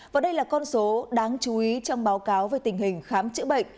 và đây là con số đáng chú ý trong báo cáo về tình hình khám chữa bệnh